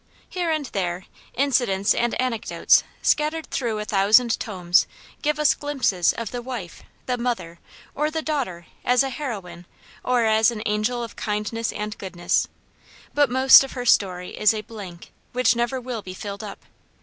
Here and there incidents and anecdotes scattered through a thousand tomes give us glimpses of the wife, the mother, or the daughter as a heroine or as an angel of kindness and goodness, but most of her story is a blank which never will be filled up.